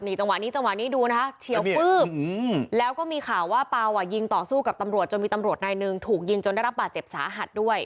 จังหวะนี้จังหวะนี้ดูนะคะเฉียวฟืบแล้วก็มีข่าวว่าเปล่าอ่ะยิงต่อสู้กับตำรวจจนมีตำรวจนายหนึ่งถูกยิงจนได้รับบาดเจ็บสาหัสด้วย